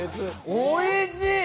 おいしい！